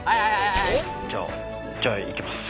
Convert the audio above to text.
じゃあじゃあいきます。